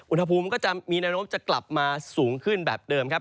อุณหภูมิก็จะมีแนวโน้มจะกลับมาสูงขึ้นแบบเดิมครับ